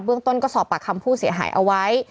เรื่องต้นก็สอบปากคำผู้เสียหายเอาไว้